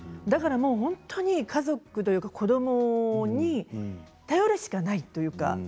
だから本当に家族というか子どもに頼るしかないというか。